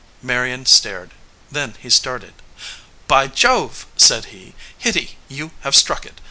Marion stared. Then he started. "By Jove!" said he. "Hitty, you have struck it!